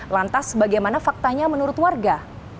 lantas bagaimana faktanya menurut warga